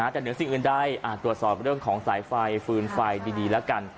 แต่เหนือสิ่งอื่นใดตรวจสอบเรื่องของสายไฟฟืนไฟดีแล้วกัน